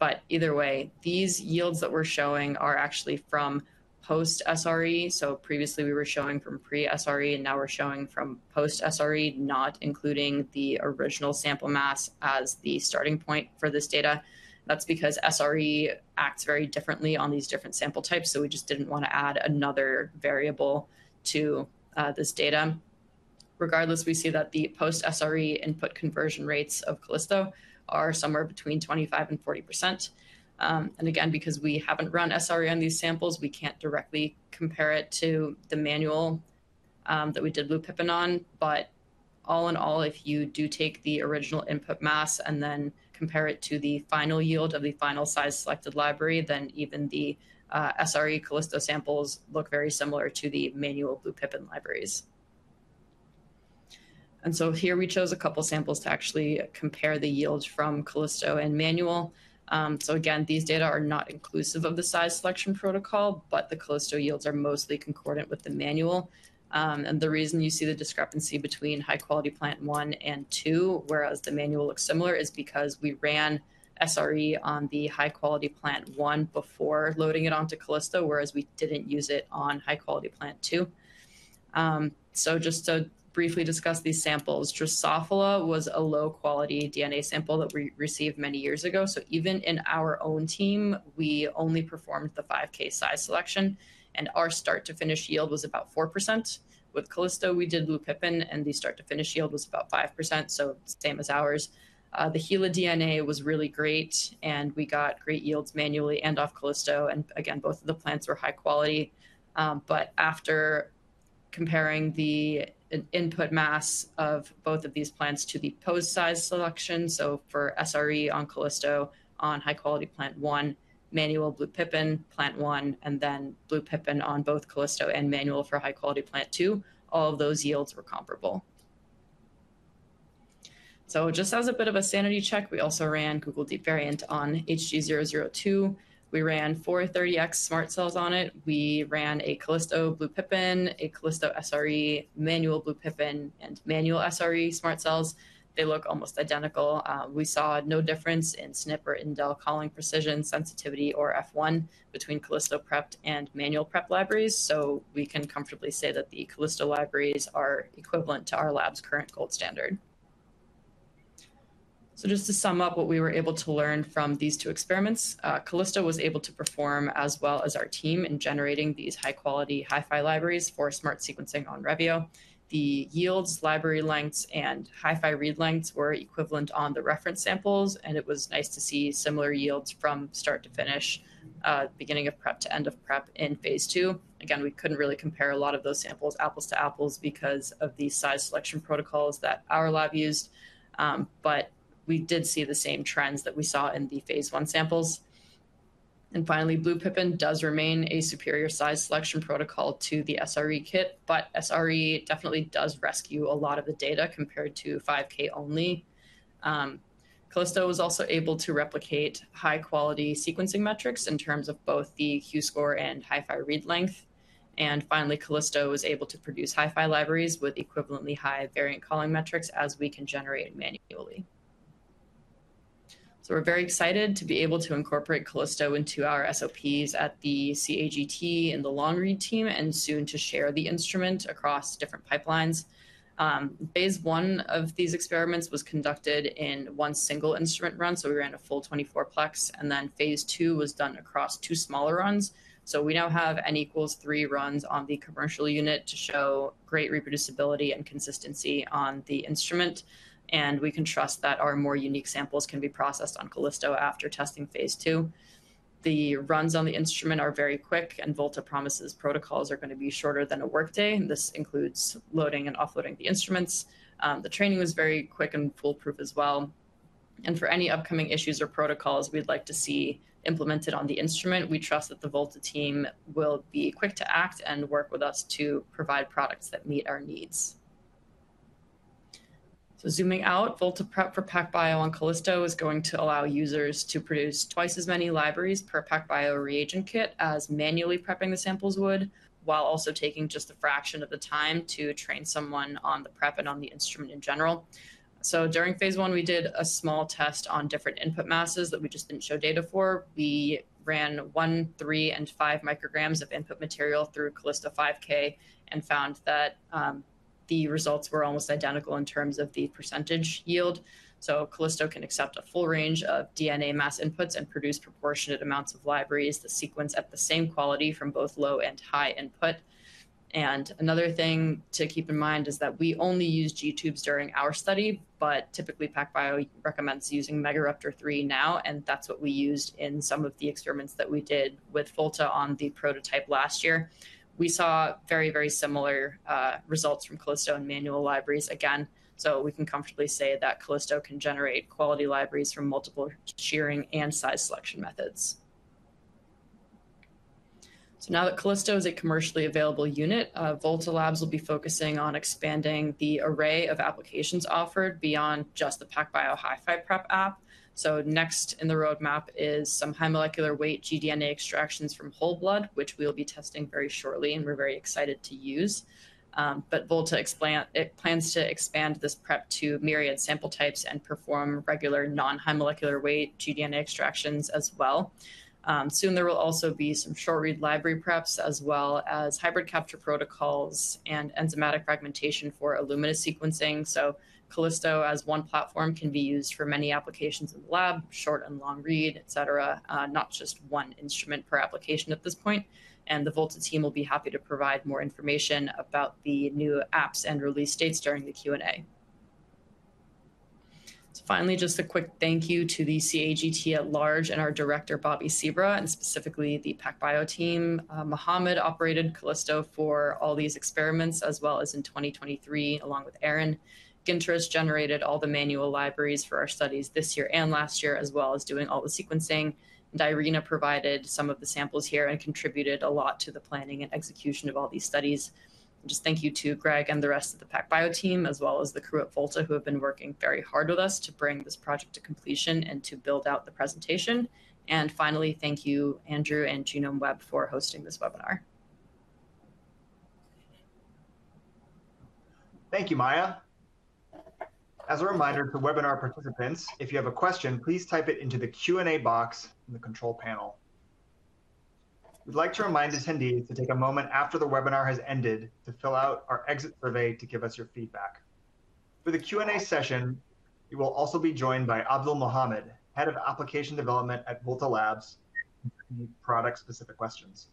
But either way, these yields that we're showing are actually from post-SRE. So previously, we were showing from pre-SRE, and now we're showing from post-SRE, not including the original sample mass as the starting point for this data. That's because SRE acts very differently on these different sample types, so we just didn't want to add another variable to this data. Regardless, we see that the post-SRE input conversion rates of Callisto are somewhere between 25% and 40%. And again, because we haven't run SRE on these samples, we can't directly compare it to the manual that we did BluePippin on. But all in all, if you do take the original input mass and then compare it to the final yield of the final size selected library, then even the SRE Callisto samples look very similar to the manual BluePippin libraries. And so here we chose a couple samples to actually compare the yields from Callisto and manual. So again, these data are not inclusive of the size selection protocol, but the Callisto yields are mostly concordant with the manual. And the reason you see the discrepancy between high-quality plant one and two, whereas the manual looks similar, is because we ran SRE on the high quality plant one before loading it onto Callisto, whereas we didn't use it on high quality plant two. So just to briefly discuss these samples, Drosophila was a low-quality DNA sample that we received many years ago. So even in our own team, we only performed the five K size selection, and our start-to-finish yield was about 4%. With Callisto, we did BluePippin, and the start-to-finish yield was about 5%, so the same as ours. The HeLa DNA was really great, and we got great yields manually and off Callisto, and again, both of the plants were high quality, but after comparing the input mass of both of these plants to the post size selection, so for SRE on Callisto, on high-quality plant one, manual BluePippin, plant one, and then BluePippin on both Callisto and manual for high-quality plant two, all of those yields were comparable, so just as a bit of a sanity check, we also ran Google DeepVariant on HG002. We ran 430x SMRT cells on it. We ran a Callisto BluePippin, a Callisto SRE, manual BluePippin, and manual SRE SMRT cells. They look almost identical. We saw no difference in SNP or indel calling precision, sensitivity, or F1 between Callisto-prepped and manual prep libraries. So we can comfortably say that the Callisto libraries are equivalent to our lab's current gold standard. So just to sum up what we were able to learn from these two experiments, Callisto was able to perform as well as our team in generating these high-quality Hi-Fi libraries for SMRT sequencing on Revio. The yields, library lengths, and Hi-Fi read lengths were equivalent on the reference samples, and it was nice to see similar yields from start to finish, beginning of prep to end of prep in phase two. Again, we couldn't really compare a lot of those samples, apples to apples, because of the size selection protocols that our lab used. But we did see the same trends that we saw in the phase one samples. Finally, BluePippin does remain a superior size selection protocol to the SRE kit, but SRE definitely does rescue a lot of the data compared to 5K only. Callisto was also able to replicate high-quality sequencing metrics in terms of both the Q score and Hi-Fi read length. Finally, Callisto was able to produce Hi-Fi libraries with equivalently high variant calling metrics as we can generate manually. We're very excited to be able to incorporate Callisto into our SOPs at the CAGT in the long read team, and soon to share the instrument across different pipelines. Phase one of these experiments was conducted in one single instrument run, so we ran a full 24-plex, and then phase two was done across two smaller runs. We now have N equals three runs on the commercial unit to show great reproducibility and consistency on the instrument, and we can trust that our more unique samples can be processed on Callisto after testing phase two. The runs on the instrument are very quick, and Volta promises protocols are gonna be shorter than a workday, and this includes loading and offloading the instruments. The training was very quick and foolproof as well. For any upcoming issues or protocols we'd like to see implemented on the instrument, we trust that the Volta team will be quick to act and work with us to provide products that meet our needs. So zooming out, Volta prep for PacBio on Callisto is going to allow users to produce twice as many libraries per PacBio reagent kit as manually prepping the samples would, while also taking just a fraction of the time to train someone on the prep and on the instrument in general. So during phase one, we did a small test on different input masses that we just didn't show data for. We ran one, three, and five micrograms of input material through Callisto 5K and found that, the results were almost identical in terms of the percentage yield. So Callisto can accept a full range of DNA mass inputs and produce proportionate amounts of libraries, the sequence at the same quality from both low and high input. Another thing to keep in mind is that we only used g-TUBEs during our study, but typically, PacBio recommends using Megaruptor 3 now, and that's what we used in some of the experiments that we did with Volta on the prototype last year. We saw very, very similar results from Callisto and manual libraries again. We can comfortably say that Callisto can generate quality libraries from multiple shearing and size selection methods. Now that Callisto is a commercially available unit, Volta Labs will be focusing on expanding the array of applications offered beyond just the PacBio Hi-Fi prep app. Next in the roadmap is some high molecular weight gDNA extractions from whole blood, which we'll be testing very shortly, and we're very excited to use. But Volta plans to expand this prep to myriad sample types and perform regular non-high molecular weight gDNA extractions as well. Soon there will also be some short read library preps, as well as hybrid capture protocols and enzymatic fragmentation for Illumina sequencing. Callisto, as one platform, can be used for many applications in the lab, short and long read, et cetera, not just one instrument per application at this point, and the Volta team will be happy to provide more information about the new apps and release dates during the Q&A. Finally, just a quick thank you to the CAGT at large and our director, Bobby Sebra, and specifically the PacBio team. Muhammad operated Callisto for all these experiments, as well as in 2023, along with Aaron. Ginters generated all the manual libraries for our studies this year and last year, as well as doing all the sequencing, and Irina provided some of the samples here and contributed a lot to the planning and execution of all these studies. Just thank you to Greg and the rest of the PacBio team, as well as the crew at Volta, who have been working very hard with us to bring this project to completion and to build out the presentation, and finally, thank you, Andrew and GenomeWeb, for hosting this webinar. Thank you, Maya. As a reminder for webinar participants, if you have a question, please type it into the Q&A box in the control panel. We'd like to remind attendees to take a moment after the webinar has ended to fill out our exit survey to give us your feedback. For the Q&A session, you will also be joined by Abdul Muhammad, Head of Application Development at Volta Labs, any product-specific questions...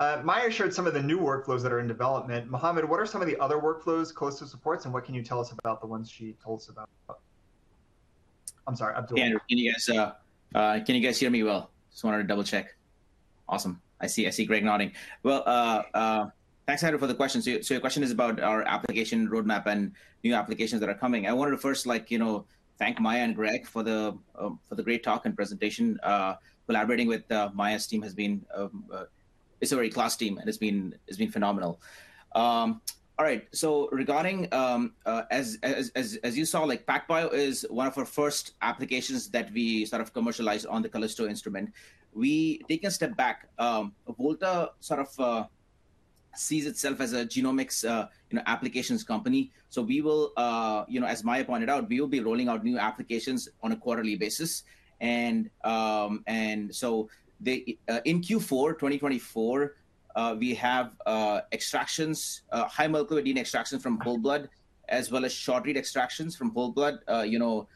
Maya shared some of the new workflows that are in development. Mohammed, what are some of the other workflows Callisto supports, and what can you tell us about the ones she told us about? I'm sorry, Abdul. Yeah, can you guys hear me well? Just wanted to double-check. Awesome. I see Greg nodding. Well, thanks, Andrew, for the question. So your question is about our application roadmap and new applications that are coming. I wanted to first, like, you know, thank Maya and Greg for the great talk and presentation. Collaborating with Maya's team has been. It's a very classy team, and it's been phenomenal. All right. So regarding, as you saw, like, PacBio is one of our first applications that we sort of commercialized on the Callisto instrument. Take a step back, Volta sort of sees itself as a genomics, you know, applications company. So we will, you know, as Maya pointed out, we will be rolling out new applications on a quarterly basis. And so in Q4 2024, we have extractions, high molecular DNA extraction from whole blood, as well as short-read extractions from whole blood, you know,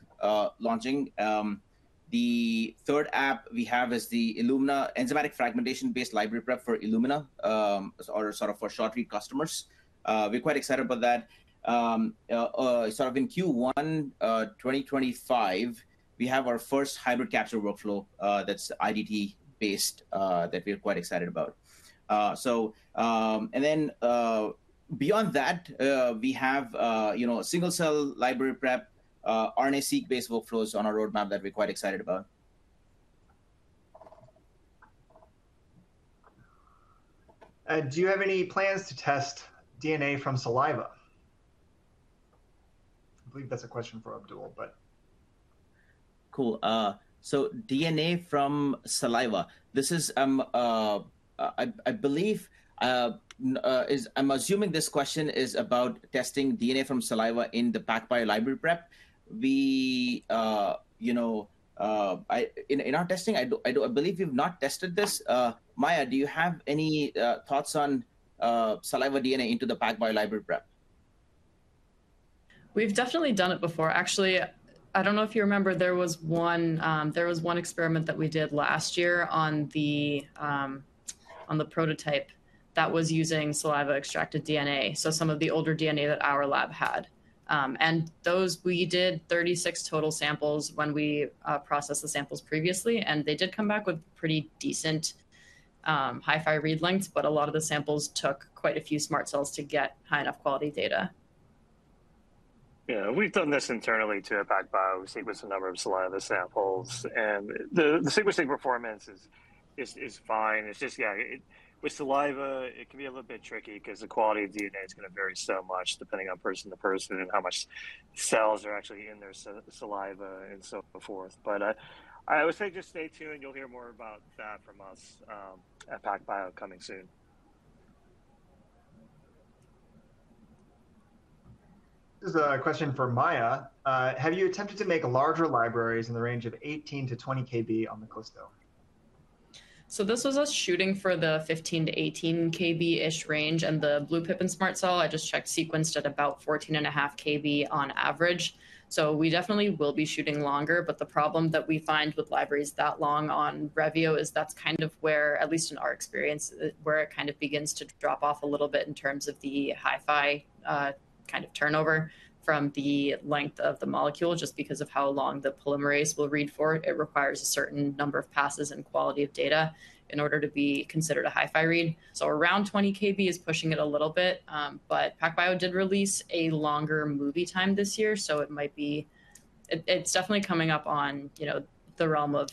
launching. The third app we have is the Illumina enzymatic fragmentation-based library prep for Illumina, or sort of for short-read customers. We're quite excited about that. Sort of in Q1 twenty twenty-five, we have our first hybrid capture workflow, that's IDT based, that we're quite excited about. And then beyond that, we have, you know, a single-cell library prep, RNA-seq-based workflows on our roadmap that we're quite excited about. Do you have any plans to test DNA from saliva? I believe that's a question for Abdul, but... Cool. So DNA from saliva. I'm assuming this question is about testing DNA from saliva in the PacBio library prep. We, you know, in our testing, I believe we've not tested this. Maya, do you have any thoughts on saliva DNA into the PacBio library prep? We've definitely done it before. Actually, I don't know if you remember, there was one experiment that we did last year on the prototype that was using saliva-extracted DNA, so some of the older DNA that our lab had, and those we did 36 total samples when we processed the samples previously, and they did come back with pretty decent Hi-Fi read lengths, but a lot of the samples took quite a few SMRT Cells to get high enough quality data. Yeah, we've done this internally to PacBio. We sequenced a number of saliva samples, and the sequencing performance is fine. It's just, yeah, with saliva, it can be a little bit tricky 'cause the quality of DNA is gonna vary so much depending on person to person and how much cells are actually in their saliva and so forth. But, I would say just stay tuned, and you'll hear more about that from us, at PacBio coming soon. This is a question for Maya. Have you attempted to make larger libraries in the range of 18-20 kb on the Callisto? So this was us shooting for the 15-18 kb-ish range, and the BluePippin SMRT Cell, I just checked, sequenced at about 14.5 kb on average. So we definitely will be shooting longer, but the problem that we find with libraries that long on Revio is that's kind of where, at least in our experience, where it kind of begins to drop off a little bit in terms of the Hi-Fi, kind of turnover from the length of the molecule, just because of how long the polymerase will read for it. It requires a certain number of passes and quality of data in order to be considered a Hi-Fi read. So around 20 kb is pushing it a little bit, but PacBio did release a longer movie time this year, so it might be... It's definitely coming up on, you know, the realm of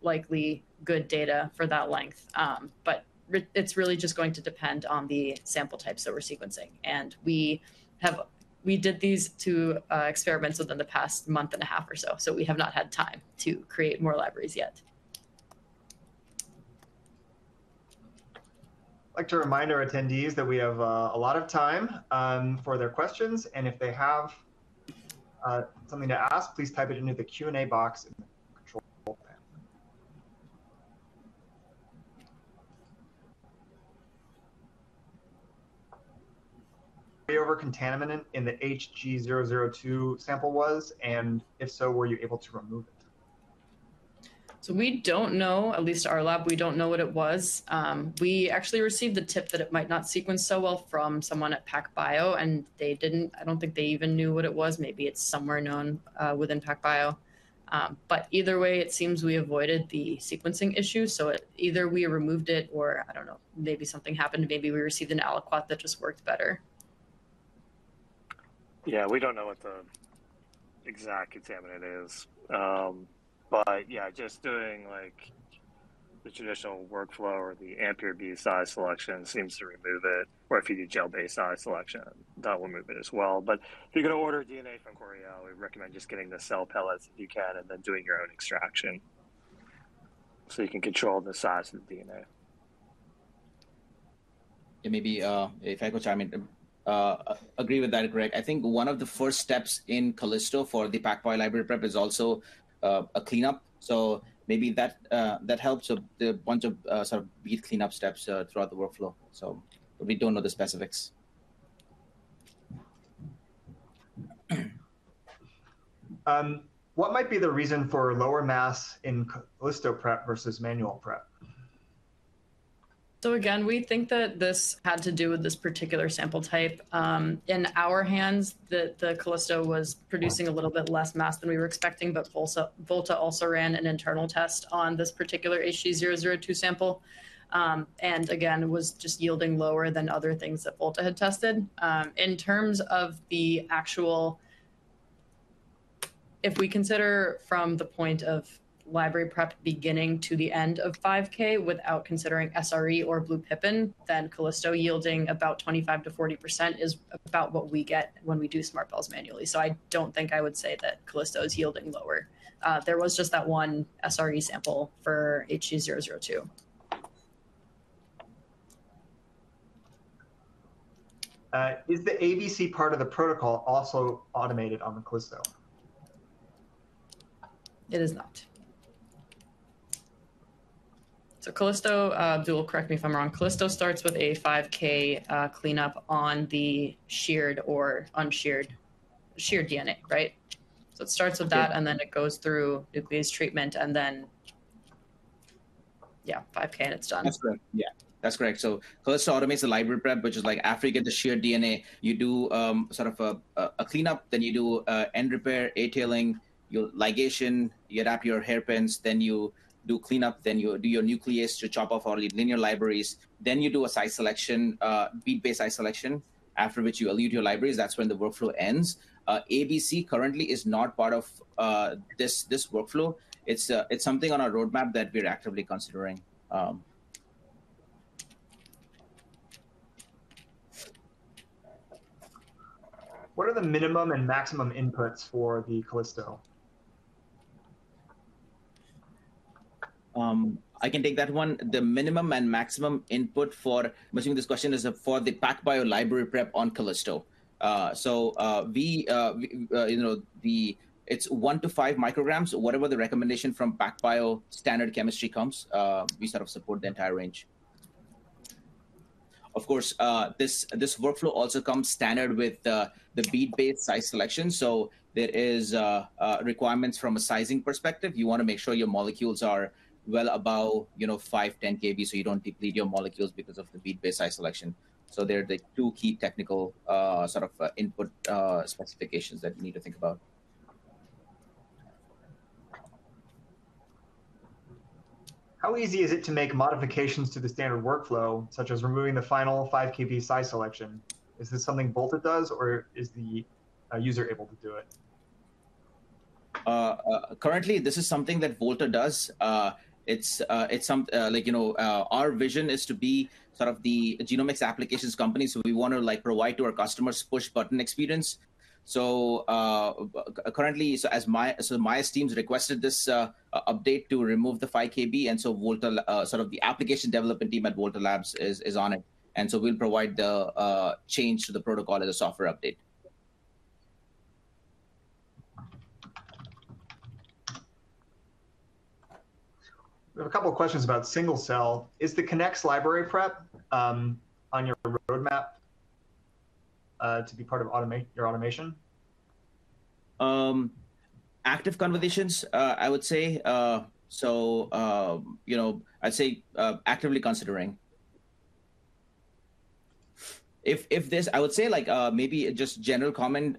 likely good data for that length. But it's really just going to depend on the sample types that we're sequencing. We did these two experiments within the past month and a half or so, so we have not had time to create more libraries yet. I'd like to remind our attendees that we have a lot of time for their questions, and if they have something to ask, please type it into the Q&A box and control panel. Carryover contaminant in the HG002 sample was, and if so, were you able to remove it? So we don't know, at least our lab, we don't know what it was. We actually received a tip that it might not sequence so well from someone at PacBio, and they didn't, I don't think they even knew what it was. Maybe it's somewhere known within PacBio. But either way, it seems we avoided the sequencing issue, so it, either we removed it or, I don't know, maybe something happened. Maybe we received an aliquot that just worked better. Yeah, we don't know what the exact contaminant is, but yeah, just doing, like, the traditional workflow or the AMPure bead size selection seems to remove it, or if you do gel-based size selection, that will remove it as well. But if you're gonna order DNA from Coriell, we recommend just getting the cell pellets if you can, and then doing your own extraction, so you can control the size of the DNA. Maybe, if I could chime in, agree with that, Greg. I think one of the first steps in Callisto for the PacBio library prep is also a cleanup. So maybe that helps with the bunch of sort of bead cleanup steps throughout the workflow. So we don't know the specifics.... What might be the reason for lower mass in Callisto prep versus manual prep? So again, we think that this had to do with this particular sample type. In our hands, the Callisto was producing a little bit less mass than we were expecting, but also, Volta also ran an internal test on this particular HG002 sample. And again, was just yielding lower than other things that Volta had tested. In terms of the actual... If we consider from the point of library prep beginning to the end of five K, without considering SRE or BluePippin, then Callisto yielding about 25%-40% is about what we get when we do SMRTbell manually. So I don't think I would say that Callisto is yielding lower. There was just that one SRE sample for HG002. Is the ABC part of the protocol also automated on the Callisto? It is not. So Callisto, Abdul, correct me if I'm wrong, Callisto starts with a 5K cleanup on the sheared or unsheared, sheared DNA, right? So it starts with that, and then it goes through nuclease treatment, and then, yeah, 5K, and it's done. That's correct. Yeah, that's correct. So Callisto automates the library prep, which is like, after you get the sheared DNA, you do sort of a cleanup, then you do end repair, A-tailing, you ligation, you adapt your hairpins, then you do cleanup, then you do your nuclease to chop off all the linear libraries. Then you do a size selection, bead-based size selection, after which you elute your libraries. That's when the workflow ends. ABC currently is not part of this workflow. It's something on our roadmap that we're actively considering. What are the minimum and maximum inputs for the Callisto? I can take that one. The minimum and maximum input for... I'm assuming this question is for the PacBio library prep on Callisto. So, you know, the, it's one to five micrograms, whatever the recommendation from PacBio standard chemistry comes, we sort of support the entire range. Of course, this workflow also comes standard with the bead-based size selection. So there is requirements from a sizing perspective. You wanna make sure your molecules are well above, you know, five, ten kb, so you don't deplete your molecules because of the bead-based size selection. So they're the two key technical, sort of, input specifications that you need to think about. How easy is it to make modifications to the standard workflow, such as removing the final five kb size selection? Is this something Volta does, or is the user able to do it? Currently, this is something that Volta does. It's, like, you know, our vision is to be sort of the genomics applications company, so we wanna, like, provide to our customers push button experience. So, currently, so as Maya, so Maya's teams requested this update to remove the five kb, and so Volta, sort of the application development team at Volta Labs is on it. And so we'll provide the change to the protocol as a software update. We have a couple of questions about single cell. Is the Connect library prep on your roadmap to be part of automated your automation? Active conversations, I would say. So, you know, I'd say actively considering. If this... I would say, like, maybe just general comment,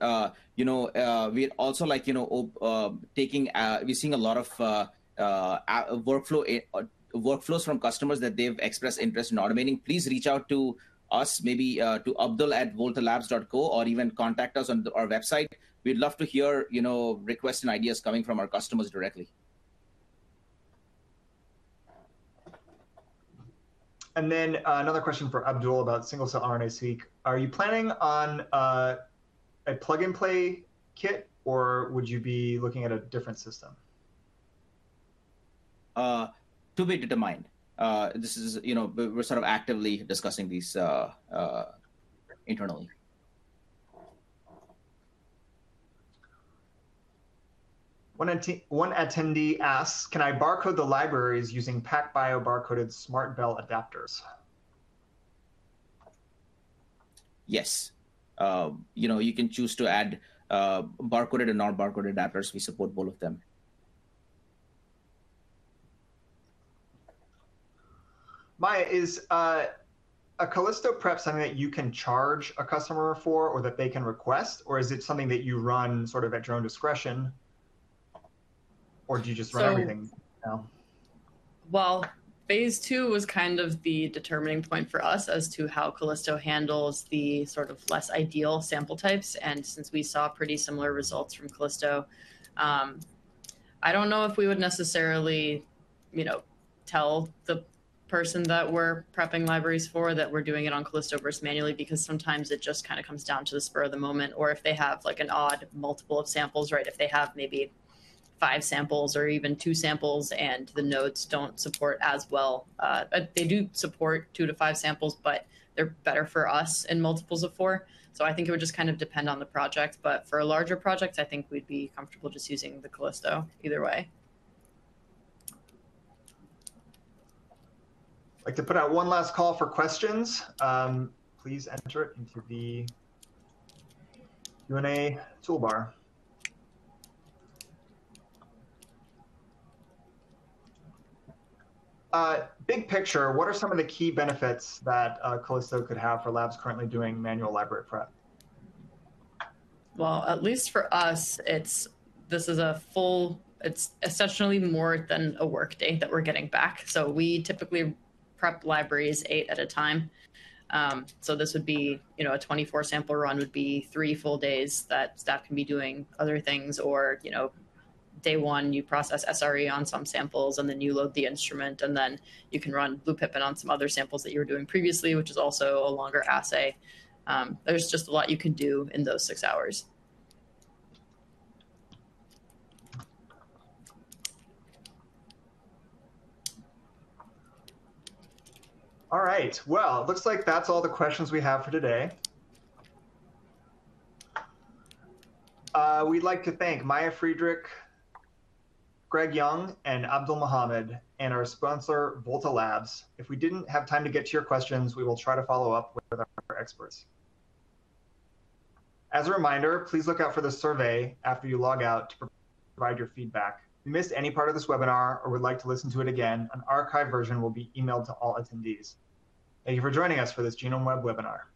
you know, we'd also like, you know, we're seeing a lot of workflows from customers that they've expressed interest in automating. Please reach out to us, maybe, to abdul@voltalabs.co, or even contact us on our website. We'd love to hear, you know, requests and ideas coming from our customers directly. And then, another question for Abdul about single-cell RNA-seq. Are you planning on a plug-and-play kit, or would you be looking at a different system? To be determined. This is, you know, we're sort of actively discussing this, internally. One attendee asks, "Can I barcode the libraries using PacBio barcoded SMRTbell adapters? Yes. You know, you can choose to add barcoded and non-barcoded adapters. We support both of them. Maya, is a Callisto prep something that you can charge a customer for or that they can request, or is it something that you run sort of at your own discretion, or do you just run everything now? Phase two was kind of the determining point for us as to how Callisto handles the sort of less ideal sample types, and since we saw pretty similar results from Callisto, I don't know if we would necessarily, you know, tell the person that we're prepping libraries for, that we're doing it on Callisto versus manually, because sometimes it just kinda comes down to the spur of the moment or if they have, like, an odd multiple of samples, right? If they have maybe five samples or even two samples, and the nodes don't support as well. They do support two to five samples, but they're better for us in multiples of four. I think it would just kind of depend on the project, but for a larger project, I think we'd be comfortable just using the Callisto either way. I'd like to put out one last call for questions. Please enter into the Q&A toolbar. Big picture, what are some of the key benefits that Callisto could have for labs currently doing manual library prep? At least for us, it's essentially more than a work day that we're getting back. So we typically prep libraries eight at a time. So this would be, you know, a 24-sample run would be three full days that staff can be doing other things or, you know, day one, you process SRE on some samples, and then you load the instrument, and then you can run BluePippin on some other samples that you were doing previously, which is also a longer assay. There's just a lot you could do in those six hours. All right, well, it looks like that's all the questions we have for today. We'd like to thank Maya Fridrikh, Greg Young, and Abdul Muhammad, and our sponsor, Volta Labs. If we didn't have time to get to your questions, we will try to follow up with our experts. As a reminder, please look out for the survey after you log out to provide your feedback. If you missed any part of this webinar or would like to listen to it again, an archived version will be emailed to all attendees. Thank you for joining us for this GenomeWeb webinar.